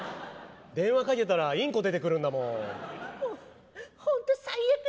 電話かけたらインコ出てくるんだもん。